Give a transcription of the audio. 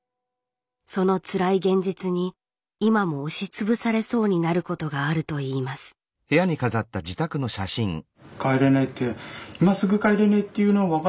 そのつらい現実に今も押しつぶされそうになることがあるといいます何だろううんはい。